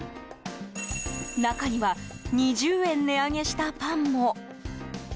中には２０円値上げしたパンも。